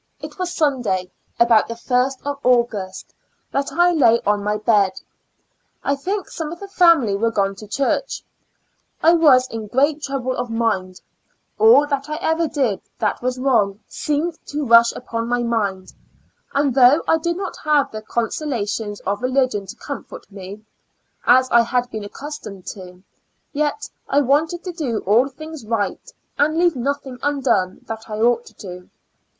It was Sunday, about the first of August, that I lay on my bed ; I think some of the family were gone to church ; I was in great trouble of mind ; all that I ever did that was wrong seemed to rush upon my mind, and thouo^h I did not have the consolations 2 IS Two Years and Four Months of reliction to comfort me, as I had been accustomed to, yet I wanted to do all things, right, and leave nothing undone that I ought to do.